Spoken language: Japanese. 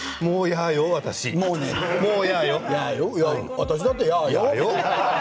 私だって嫌よ。